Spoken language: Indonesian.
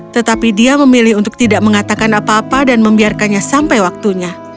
tetapi dia memilih untuk tidak mengatakan apa apa dan membiarkannya sampai waktunya